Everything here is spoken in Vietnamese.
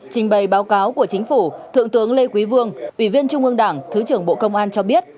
trình bày báo cáo của chính phủ thượng tướng lê quý vương ủy viên trung ương đảng thứ trưởng bộ công an cho biết